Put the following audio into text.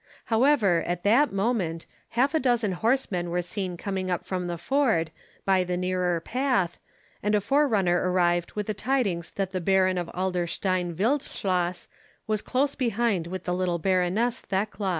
However, at that moment, half a dozen horsemen were seen coming up from the ford, by the nearer path, and a forerunner arrived with the tidings that the Baron of Adlerstein Wildschloss was close behind with the little Baroness Thekla.